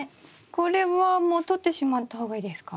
これはもう取ってしまった方がいいですか？